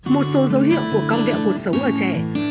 một số dấu hiệu của con vẹo cuộc sống ở trẻ